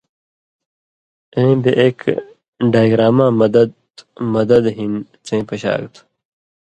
ایں بےایک ڈائگراماں مدَت (مدد) ہِن څَیں پشاگ تھہ